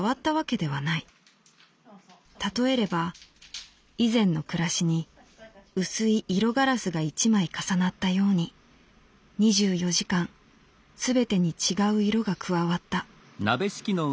たとえれば以前の暮らしに薄い色ガラスが一枚重なったように二十四時間すべてに違う色が加わった」。